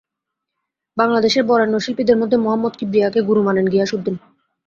বাংলাদেশের বরেণ্য শিল্পীদের মধ্যে মোহাম্মদ কিবরিয়াকে গুরু মানেন গিয়াস উদ্দীন।